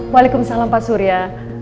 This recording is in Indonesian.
waalaikumsalam pak surya